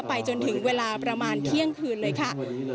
ไปจนถึงเวลาประมาณเที่ยงคืนเลยค่ะ